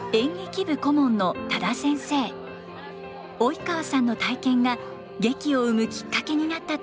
及川さんの体験が劇を生むきっかけになったといいます。